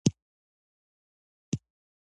د افغانستان په منظره کې آمو سیند ښکاره دی.